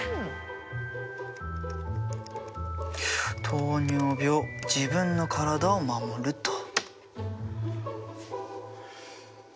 「糖尿病自分の体を守る」と。